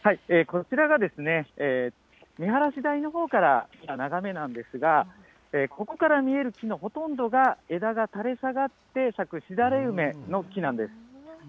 こちらが、見晴らし台のほうからの眺めなんですが、ここから見える木のほとんどが枝が垂れ下がって咲くしだれ梅の木なんです。